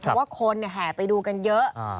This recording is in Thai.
เพราะว่าคนแห่ไปดูกันเยอะ